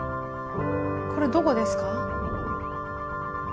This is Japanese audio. これどこですか？